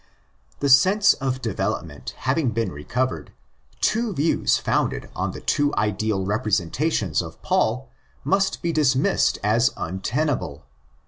The sense of development having been recovered, two views founded on the two ideal representations of Paul must be dismissed as untenable.